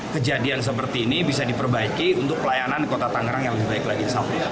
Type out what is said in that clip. kejadian seperti ini bisa diperbaiki untuk pelayanan kota tangerang yang lebih baik lagi